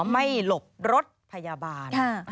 ไม่หลบรถพยาบาล